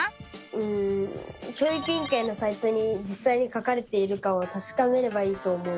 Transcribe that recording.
うん教育委員会のサイトにじっさいに書かれているかをたしかめればいいと思う！